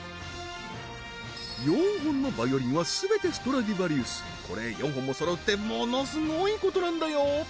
４本のヴァイオリンは全てストラディヴァリウスこれ４本もそろうってものすごいことなんだよ